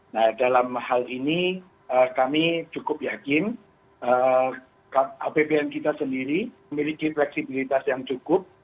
nah dalam hal ini kami cukup yakin apbn kita sendiri memiliki fleksibilitas yang cukup